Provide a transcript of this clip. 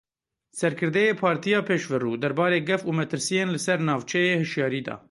Serkirdeyê Partiya Pêşverû derbarê gef û metirsiyên li ser navçeyê hişyarî da.